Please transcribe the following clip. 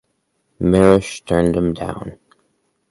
Mirisch turned him down.